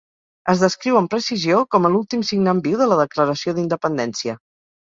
Es descriu amb precisió com a l'últim signant viu de la Declaració d'Independència.